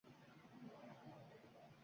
uz